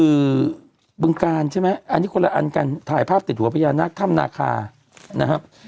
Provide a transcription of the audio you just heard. คือบึงกาลใช่ไหมอันนี้คนละอันกันถ่ายภาพติดหัวพญานาคถ้ำนาคานะครับ